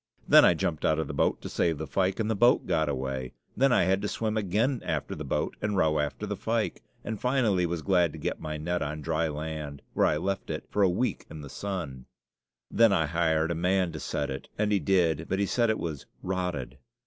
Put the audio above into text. Then I jumped out of the boat to save the fyke, and the boat got away. Then I had to swim again after the boat and row after the fyke, and finally was glad to get my net on dry land, where I left it for a week in the sun. Then I hired a man to set it, and he did, but he said it was "rotted."